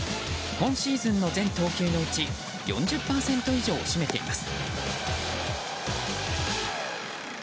今シーズンの全投球のうち４０％以上を占めています。